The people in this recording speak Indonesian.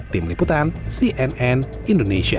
tim liputan cnn indonesia